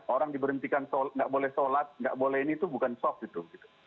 orang diberhentikan nggak boleh sholat nggak boleh ini itu bukan soft gitu